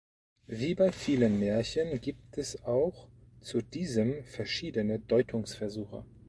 Wie bei vielen Märchen gibt es auch zu diesem verschiedene Deutungsversuche.